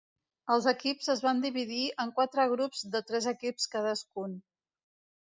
Els equips es van dividir en quatre grups de tres equips cadascun.